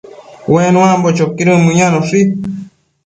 Ue nuambo choquidën mëyanoshi